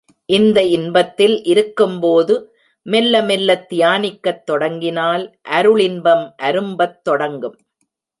இந்த இன்பத்தில் இருக்கும்போது மெல்ல மெல்லத் தியானிக்கத் தொடங்கினால் அருளின்பம் அரும்பத் தொடங்கும்.